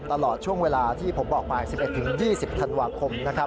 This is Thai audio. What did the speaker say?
ตลอดช่วงเวลาที่ผมบอกไป๑๑๒๐ธันวาคม